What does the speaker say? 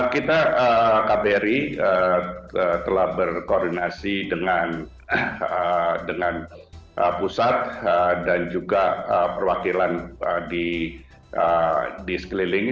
kita kbri telah berkoordinasi dengan pusat dan juga perwakilan di sekeliling